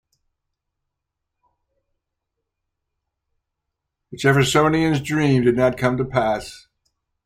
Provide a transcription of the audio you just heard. The Jeffersonians' dream did not come to pass.